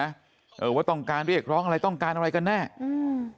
เออว่าต้องการเรียกร้องอะไรต้องการอะไรกันแน่อืม